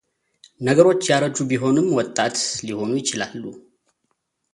ነገሮች ያረጁ ቢሆኑም ወጣት ሊሆኑ ይችላሉ፡፡